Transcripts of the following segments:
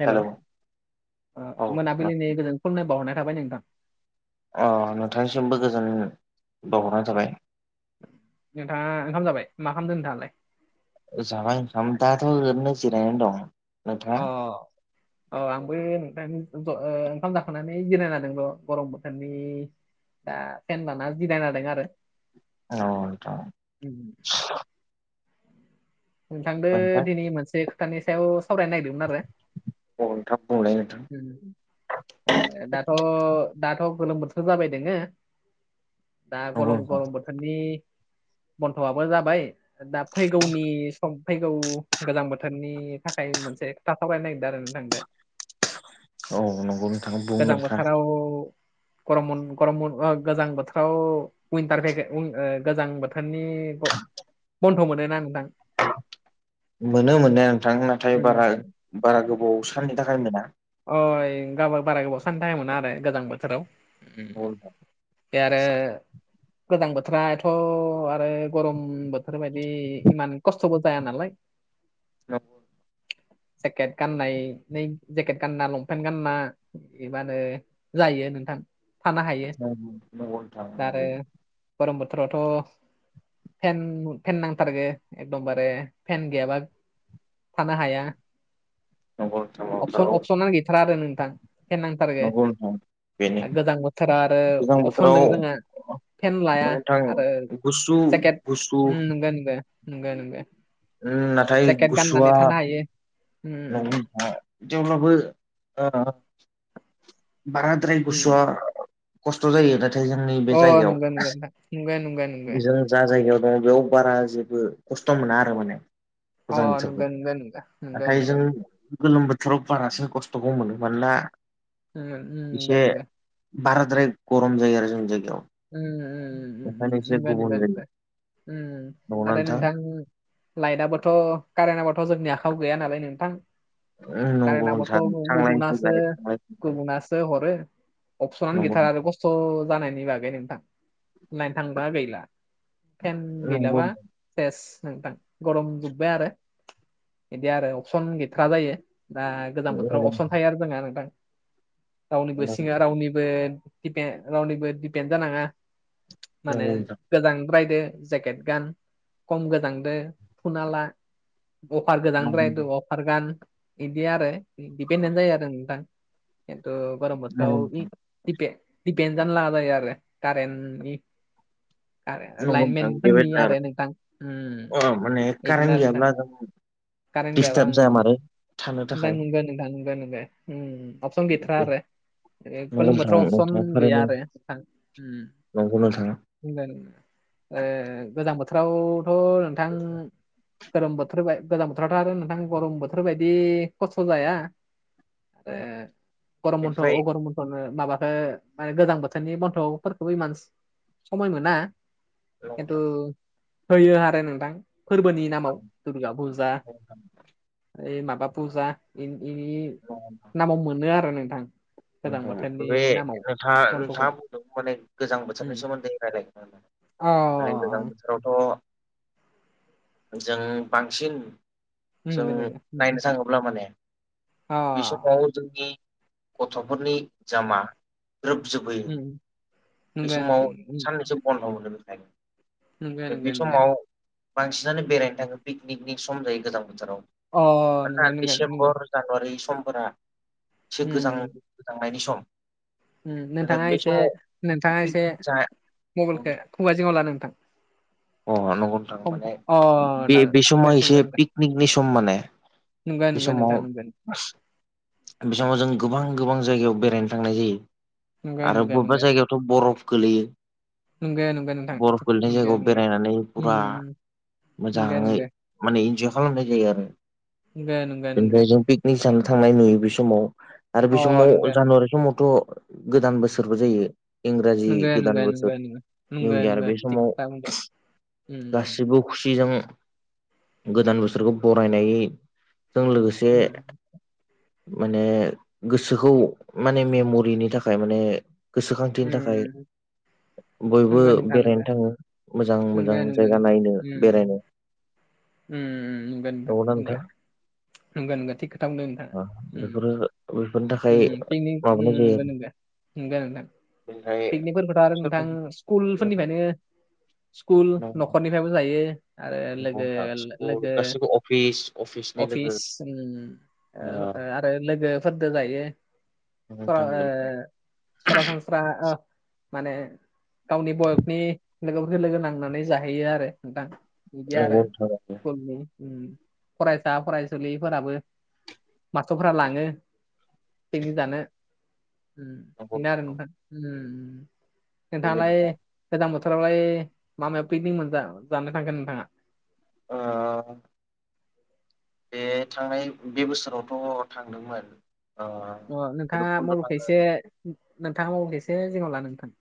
हेल' hello औ मोनाबिलिनि गोजोन खोलोमनाय बावहरनाय थाबाय नोंथां अ नोंथांनिसिमबो गोजोन बावहरनाय थाबाय नोंथाङा ओंखाम जाबाय मा खालामदों नोंथाङालाय जाला नोंथां दाथ ओरैबनो जिरायना दं नोंथाङा अ औ आंबो नोंथांजों ओंखाम जाखांनानै जिरायना दं गरम बोथोरनि दा फेनलाना जिरायना दं आरो औ नोंथां उ [inaudible] नोंथांदों ओमफ्राय दिनै मोनसे खोथानि सायाव सावरायनो नागिरदोंमोन आरो अ नोंथां बुंलाय नोंथां ए दाथ' दाथ' गोलोम बोथोर जाबाय दोंङो दा नंगौ गलम नोंथां गलम बोथोरनि बन्थ'आबो जाबाय दा फैगौनि फैगौ गोजां बोथोरनि थाखाय मोनसे खोथा सावरायनो नागिरदों आरो नोंथां जों औ नंगौ नोंथां बुं गोजां नोंथां बोथोराव गरम गरम बनघवा गोजां बोथोराव उइनटार गोजां बोथोरनि बन्द' मोनोना नोंथां मोनो मोननाय नोंथां नाथाय बारा उम बारा गोबाव साननि थाखाय मोना अइ गाबा बारा गोबाव [unintelligible] मोना आरो गोजां बोथोराव आरो गोजां बोथोर एथ' आरो गरम बोथोर बायदि इमान खस्थबो जाया नालाय [unintelligible] जेकेट गाननाय नै जेकेट गानना लंपेन्ट गानना ए मा होनो जायो नोंथां थानो हायो नोंथां नंगौ नंगौ नोंथां आरो नंगौ गरम बोथोरावथ' फेन फेन नांथारगो एकदमबारे फेन गैयाबा थानो हाया नंगौ नोंथां अपसन नंथारगौ अपसनानो गैथार आरो नोंथां नांथारगो नंगौ नोंथां बेनो गोजां बोथोरा आरो गोजां अपसन बोथोराव दं जों हा फेन्ट नंगौ लाया नोंथां आरो गुसु जेकेट गुसु नंगौ नंगौ नंगौ नंगौ नाथाय गुसुआ हायो उम [unintelligible] जेब्लाबो बाराद्राय उम गुसुआ खस्थ' जायो नाथाय जोंनि बे उम अ जायगायाव नंगो नंगो नोंथां नंगो बिजों जा जायगायाव दङ बेयाव बारा जेबो खस्थ' मोना आरो माने अ गोजां बोथोरखौ नंगो नंगो नंगो नाथाय नंगो जों नंगो गोलोम बोथोराव बारासिन खस्थ'खौ मोनो मानोना ओम नंगौ एसे नंगौ बाराद्राय गरम जायो आरो जों जायगायाव ओम ओम ओंखायनो एसे नंगौ गुबुन नंगौ जायो आरो नाथाय नोंथां लाइटआबोथ' कारेन्टाबथ' जोंनि आखाइयाव गैया नालाय नोंथां कारेन्ट नंगौ नाबाथ' नोंथां थांलाय गुबुनासो फैलाय थांलाय फैलाय गुबुनासो हरो अपसनानो नंगौ गैथारा आरो खस्थ' जानायनि बागै नोंथां नायनो थांबा गैला फेन नंगौ गैलाबा सेस नोंथां गरम जोब्बाय आरो बिदि आरो अपसन गैथ्रा जायो दा गोजां बोथोराव नंगौ अपसन थायो आरो जोंहा नोंथां रावनिबो नंगौ सिङा रावनि दिपेन रावनिबो दिपेन जानाङा मानो नोंथां गोजांद्रायदो जेकेट गान खम गोजांदो खुना ला अफार नंगौ गोजांद्रायदो नंगौ अफार गान बिदि आरो दिपेनडेट जायो आरो नोंथां खिन्थु गरम बोथोराव नोंथां दि दिपे दिपेन जानला जायो आरो कारेन्टनि नंगौ नोंथां। लाइनमेनफोरनि बेबायदिनो आरो नोंथां उम ओ माने बिदिनो कारेन्ट आरो नोंथां गैयाब्ला जों कारेन गैयाबा दिस्टार्ब जामारो थानो उम थाखाय नंगौ नोंथां नंगौ नंगौ उम अपसन गैथार आरो नंगौ गोलोम नोंथां बोथोराव अपसन नोंथाङा थारैनो गैया आरो उम नंगौ नोंथां है दानो नङा ओ गोजां बोथोरावथ' नोंथां गोरोम बोथोर बा गोजां बोथोराथ' आरो नोंथां गरम बोथोर बायदि खस्थ' जाया ए गरम बन्द बेनिफ्राय अ गरम बन्दनो माबाखौ माने गोजां बो थोरनि बन्थ'फोरखौबो इमान समय मोना खिन्थु होयो आरो नोंथां फोरबोनि नामाव दुर्गा फुजा ओइ माबा फुजा बेनि नामाव मोनो आरो नोंथां औ गोजां नोंथां बोथोरनि बे नामाव नोंथां बनथ'खौ नोंथाङा बुंदों माने गोजां बोथोरनि सोमोन्दै रायज्लायगोन अ माने गोजां बोथोर रावथ' जों बांसिन उम नंगौ जों नंगौ उम नायनो थाङोब्ला माने अ बे समाव जोंनि गथ'फोरनि जामा ग्रोबजबोयो उम बे नंगौ नंगौ समाव उम साननैसो बन्द' मोनो बेखायनो नंगौ दा नंगौ बि नंगौ समाव बांसिनानो बेरायनो थाङो पिकनिकनि सम जायो गोजां बोथोराव अ नंगौ मानोना नंगौ नंगौ डिसेम्बर जानुवारि समफोरा एसे गोजां उम गोजांनायनि सम नाथाय नोंथाङा बे एसे समाव नोंथाङा एसे पिकनिक जा मबाइलखौ खुगा जिङावला नोंथां अ नंगौ नोंथां खम माने अ बे दा बे समाव नंगौ एसे पिकनिकनि सम माने नंगौ बि नंगौ समाव नोंथां नंगौ बे समाव जों गोबां गोबां जायगायाव बेरायनो थांनाय जायो नंगौ आरो नंगौ बबेबा नंगौ जायगायावथ' बरफ गोलैयो नंगौ नंगौ नोंथां बरफ गोलैनाय नंगौ जायगायाव नंगौ बेरायनानै फुरा उम, नंगौ मोजाङै नंगौ माने इन्जय खालामनाय जायो आरो नंगौ नंगौ नंगौ बेनिफ्राय जों पिक नि जानो थांनाय नुयो बे समाव आरो बे अ समाव नंगौ जानुवारि समावथ' गोदान बोसोरबो जायो इंराजि गोदान नंगौ बोसोर नंगौ नंगौ निउ नंगौ नंगौ इयार बे थिग समाव खोथा बुंदों उम गासिबो खुसिजों गोदान बोसोरखौ बरायनायजों लोगोसे उम माने गोसोखौ माने मेमरिनि थाखाय माने गोसोखांथिनि थाखाय उम बयबो नंगौ नोंथां बेरायनो नंगौ थाङो नंगौ मोजां मोजां नंगौ जायगा नायनो बेरायनो उम उम नंगौ नोंथां नंगौ नंगौ नंगौ थिग खोथा बुंदों नोंथाङा अ उम बेफोरो बेफोरनि थाखाय उम पिकनिक उम माबानाय जायो नंगौ नंगौ नंगो नोंथां आरो पिकनिकफोरखौथ' आरो नोंथां ओमफ्राय सोरबा स्कुलफोरनिफ्रायनो स्कुल न'खरनिफ्रायबो जायो आरो नंगौ लोगो नोंथां स्कुल लोगो गासिबो अफिस अफिस अफिस उम आरो लोगोफोरदो जायो सरा ओ [unintelligible] सरासनस्रा ओ माने गावनि बयकनि लोगोफोरखौ लोगो नांनानै जाहैयो आरो नोंथां बिदि आरो नंगौ नोंथां नंगौ स्कुलनि फरायसा फरायसुलिफोराबो मास्टरफोरा लाङो पिकनिक जानो उम नंगौ बेनो आरो नंगौ। नोंथां उम उम नोंथाङालाय बेबायदिनो गोजां बोथोरावलाय माबायाव पिकनिक मोन जा जानो थांगोन नोंथाङा ओ आ बे थांनाय बे बोसोरावथ' थांदोंमोन आरो अ नोंथाङा बेखायसे नोंथाङा मबेलखौ एसे जिंङाव ला नोंथां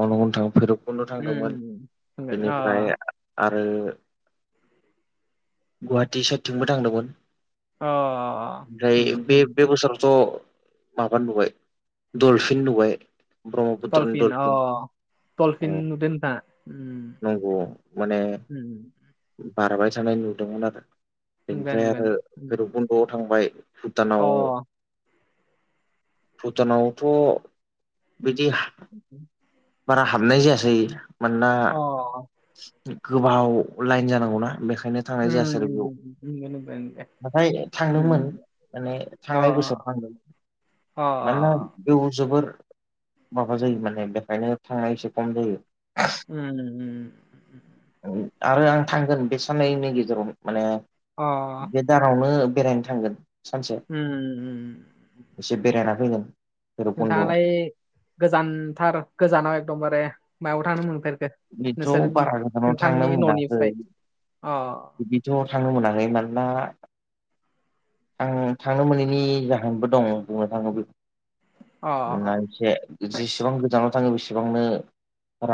अ नोथां भैरबकुन्द' थांदोंमोन उम होनगोन अ बेनिफ्राय आरो गुवाहाटि साइडथिंबो थांदोंमोन अ ओमफ्राय होनगोन बे उम बे बोसोराव थ' माबा नुबाय दलफिन नुबाय ब्रह्मपुत्रनि दलफिन दलफिन अ नुदो नोंथाङा? उम नंगौ माने उम बारबाय थानाय नुदोंमोन आरो नंगो बेनिफ्राय नंगो आरो भैरब ज थांबाय अ भुटानाव भुटानावथ' बिदि [inaudible] बारा हाबनाय जायासै मानोना अ गोबाव लाइन जानांगौना बेखायनो थांनाय उम जायासै बेयाव नंगो नंगो नंगो नाथाय थांदोंमोन उम माने थांनाय बोसोर थांगोन अ अ बेयाव जोबोर माबा जायो माने बेखायनो थांनाय एसे खम जायो ओम ओम ओम आरो आं थांगोन बे साननैनि गेजेराव माने अ बे दानावनो बेरायनो थांगोन सानसे ओम ओम एसे बेरायना फैगोन भैरब कुन्द'आव नोंथाङालाय गोजानथार गोजानाव एकदमबारे मायाव थानो मोनफेरखो बिदिथ' नोंसोर बारा गोजानाव थांनो नोंथांनि मोनाखै न'निफ्राय अ बिदिथ' थाङनो मोनाखै मानोना आं थांनो मोनैनि जाहोनबो दं बुंनो थाङोब्ला अ मा अ एसे जेसेबां गोजानाव थाङो बेसेबांनो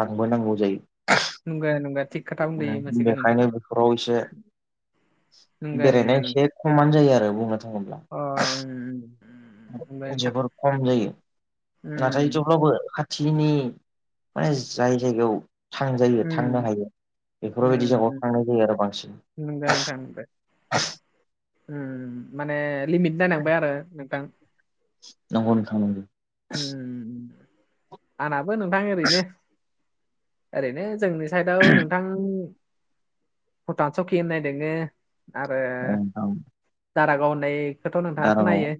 रांबो नांगौ जायो नंगौ नंगा थिग खोथा बुंदुं मोनसेखो बेखायनो नोंथाङा बेफोराव एसे नोंगो नंगौ बेरायनाया एसे नंगौ खमानो जायो आरो बुंनो थाङोब्ला अ ओम ओम जोबोर खम जायो नाथाय उम थेवब्लाबो खाथिनि माने जाय जायगायाव थांजायो थांनो उम हायो बेफोरबायदि जायगायाव उम थांनाय उम जायो आरो बांसिन नंगौ नोंथां नंगौ माने लिमिट नायनांबाय आरो नोंथां नंगौ नोंथां नंगौ आंनाबो नोंथां ओरैनो ओरैनो जोंनि साइदाव नोंथां भुटान सकि होननाय दोङो आरो औ नोंथां दारागाव होननायखौथ' नोंथाङा खोनायो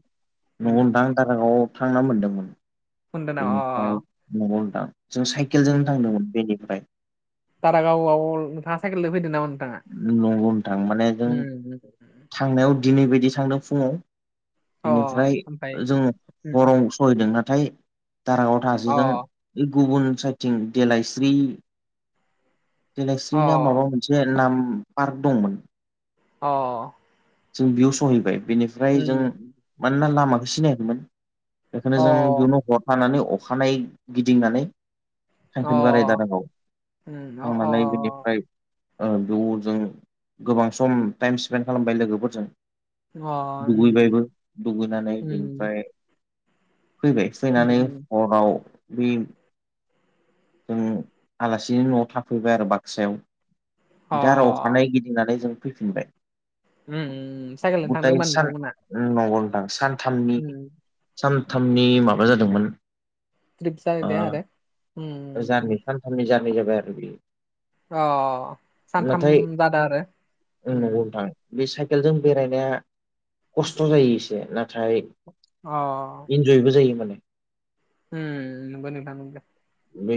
दारागावाव थांना मोनदोंमोन खोनादों नामा बेनिफ्राय अ नंगौ नोंथां जों साइद साइकेलजों उम थांदोंमोन बेनिफ्राय दारागावआव नोंथाङा साइकेलजों फैदों नामा नोंथाङा नंगौ नोंथां माने जों उम थांनायाव दिनै बायदि थांदों फुङाव अ बेनिफ्राय ओमफ्राय जों उम हराव सहैदों नाथाय दारागाव अ थााजोजों बे गुबुन साइडथिं देलायस्रि अ दिनैस्रि ना माबा मोनसे नाम पार्क दंमोन अ जों बेयाव सहैबाय बेनिफ्राय जों उम मानोना लामाखौ सिनायखैमोन बेखायनो अ जों बेयावनो हरथानानै अखानायै गिदिंनानै अ थांफिन बा दारागाव उम अ अ थांनानै बिनिफ्राय ओ बेयाव जों गोबां सम टाइम स्पेन्ड खालामबाय लोगोफोरजों अ उम दुगैबायबो दुगैनानै उम बिनिफ्राय फैबाय उम फैनानै उम हराव बे जों आलासिनि न'आव थाफैबाय आरो बाक्सायाव अ दा आरो अखानायै गिदिंनानै जों फैफिनबाय उम साइकेलजों थांदों गथाय होनबा सान नोंथांमोना नंगौ दां सानथामनि उम सानथामनि माबा जादोंमोन ट्रिप फिसा बिदि आरोे ओ जारनि थारनिफोर जाबाय आरो बेयो अ सानथाम नाथाय जादों आरो नंगौ नोंथां बे साइकेलजों बेरायनाया खस्थ' जायो एसे नाथाय अ इन्जयबो जायो माने उम नोंगो नोंथां नोंगो बै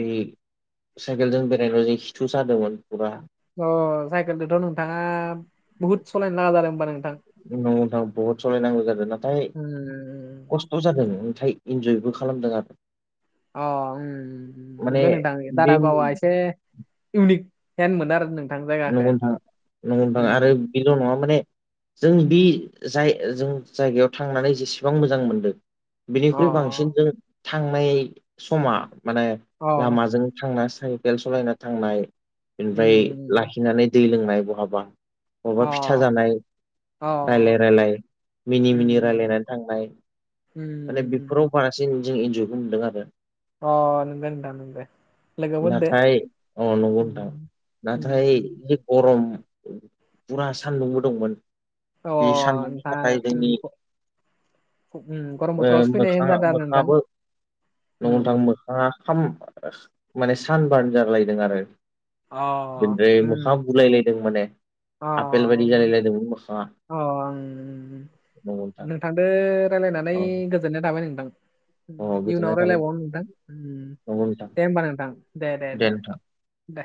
साइकेलजों बेरायनो' जि खिथु जादोंमोन फुरा अ साइकेलजोंथ' नोंथाङा बुहुद सालायनो नाङा जादों होमबा नों औ नंगौ नोंथां बहुद सालायनांगौ जादों नाथाय उम खस्थ' जादों ओमफ्राय इन्जयबो खालामदों आरो अ उम माने नंगौ नोंथां बे नंगौ दारागावा एसे इउनिक हेनड मोनो आरो नों नंगौ नोंथां नंगौ नोंथां आरो बेल' नङा माने जों बे जाय जों जायगायाव थांनानै जेसेबां मोजां मोनदों अ बिनिख्रुइ बांसिन जों थांनाय समा माने अ लामाजों थांना साइकेल सालायना थांनाय बेनिफ्राय उम खिनानै दै लोंनाय बहाबा बहाबा फिथा अ जानाय अ रायलाय रायलाय मिनि मिनि उम रायलायनानै थांनाय माने उम उम बेफोराव बारा बांसिन जों इन्जयबो मोन्दों आरो अ नंगौ नोंथां नंगौ लोगोफोरदो नाथाय अ नंगौ नोंथां नाथाय उम जि गरम फुरा सानदुंबो दंमोन अ बे सानदुंनि नोंथां थाखाय जोंनि उम उम गट [unintelligible] ओ मोखाङा मोखाङाबो नंगौ उम नोंथां मो माने सानबार जालायदों आरो अ बिनिफ्राय मोखां उम बुलायलायदों माने अ आपेल बायदि जालायलायदोंमोन मोखाङा अ आं नंगौ नोंथां नोंथांदो रायज्लायनानै औ गोजोननाय थाबाय नोंथां अ इयुनाव गोजोननाय थाबाय रायलायबावनो नोंथां नंगौ नोंथां दे होमबा नोंथां दे दे दे दे